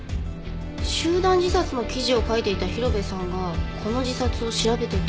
集団自殺の記事を書いていた広辺さんがこの自殺を調べていたって事は。